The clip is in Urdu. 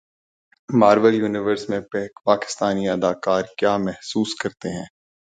مارول یونیورس میں پہلے پاکستانی اداکار کیا محسوس کرتے ہیں